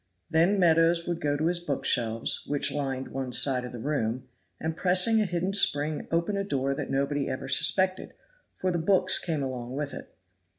Then Meadows would go to his book shelves, which lined one side of the room, and pressing a hidden spring open a door that nobody ever suspected, for the books came along with it.